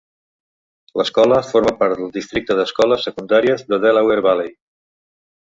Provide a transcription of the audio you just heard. L'escola forma part del Districte d'Escoles Secundàries de Delaware Valley.